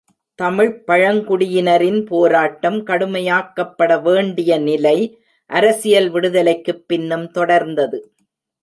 தமிழ்ப் பழங்குடியினரின் போராட்டம் கடுமையாக்கப்பட வேண்டிய நிலை அரசியல் விடுதலைக்குப் பின்னும் தொடர்ந்தது.